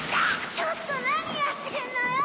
・・ちょっとなにやってんのよ！